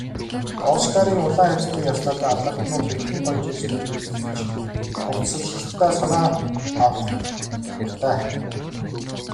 Оскарын улаан хивсний ёслолд алдартнууд хэрхэн гоёж ирснийг үзэж, хувцаслалтдаа санаа авах дуртай.